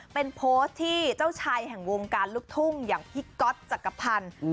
เป็นโพสต์ที่เจ้าชายแห่งวงการลูกทุ่งอย่างพี่ก๊อตจักรพันธ์